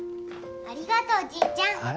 ありがとうじいちゃん。